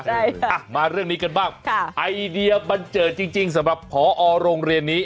ใช่ค่ะมาเรื่องนี้กันบ้างค่ะไอเดียบันเจิดจริงจริงสำหรับพอโรงเรียนนี้